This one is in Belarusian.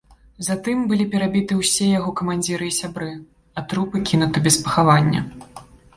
Затым былі перабіты ўсе яго камандзіры і сябры, а трупы кінуты без пахавання.